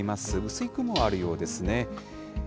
薄い雲があるようですね。